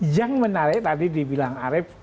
yang menarik tadi dibilang arief